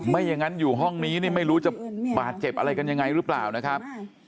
ไม่อย่างนั้นอยู่ห้องนี้นี่ไม่รู้จะบาดเจ็บอะไรกันยังไงหรือเปล่านะครับ